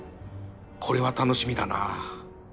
これは楽しみだな